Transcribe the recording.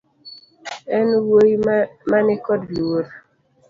En wuoyi mani kod luor